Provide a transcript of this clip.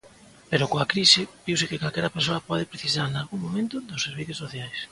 Pero coa crise viuse que calquera persoa pode precisar nalgún momento dos servizos sociais.